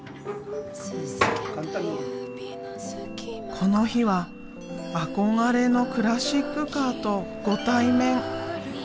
この日は憧れのクラシックカーとご対面。